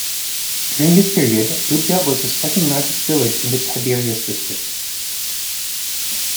During this period, Lubya was the second largest village in the Tiberias District.